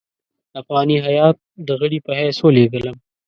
افغاني هیات د غړي په حیث ولېږلم.